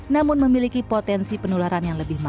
namun memiliki potensi penularan yang lebih mahal